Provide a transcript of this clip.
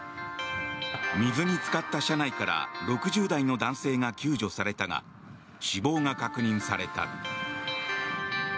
水につかった車内から６０代の男性が救助されたが死亡が確認された。